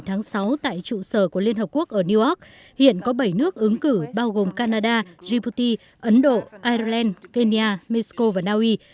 tháng sáu tại trụ sở của liên hợp quốc ở newark hiện có bảy nước ứng cử bao gồm canada djibouti ấn độ ireland kenya mexico và naui